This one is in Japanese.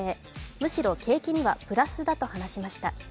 むしろ景気にはプラスだと話しました。